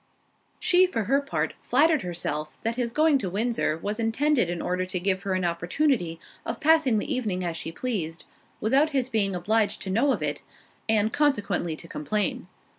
She, for her part, flattered herself, that his going to Windsor, was intended in order to give her an opportunity of passing the evening as she pleased, without his being obliged to know of it, and consequently to complain.